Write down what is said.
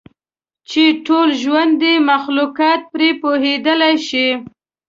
چې ټول ژوندي مخلوقات پرې پوهیدلی شي.